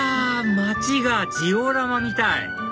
街がジオラマみたい